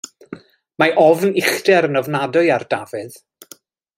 Mae ofn uchder yn ofnadwy ar Dafydd.